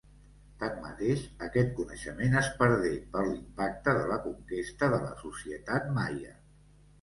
Tanmateix, aquest coneixement es perdé per l'impacte de la conquesta de la societat maia.